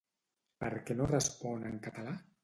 Per què no respon en català?